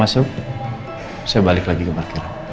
saya balik lagi ke parkir